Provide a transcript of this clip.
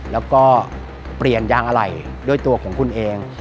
แล้วก็เปลี่ยนยางอะไหล่ด้วยตัวของคุณเอง